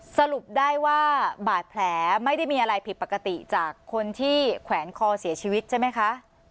สรุปได้ว่าบาดแผลไม่ได้มีอะไรผิดปกติจากคนที่แขวนคอเสียชีวิตใช่ไหมคะ